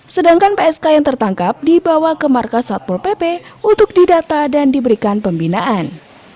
sedangkan psk yang tertangkap dibawa ke markas satpol pp untuk didata dan diberikan pembinaan